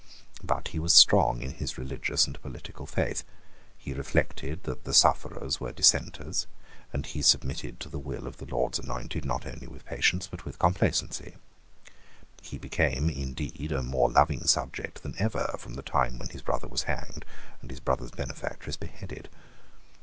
But he was strong in his religious and political faith: he reflected that the sufferers were dissenters; and he submitted to the will of the Lord's Anointed not only with patience but with complacency. He became indeed a more loving subject than ever from the time when his brother was hanged and his brother's benefactress beheaded.